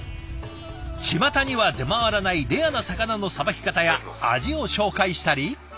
ちまたには出回らないレアな魚のさばき方や味を紹介したり。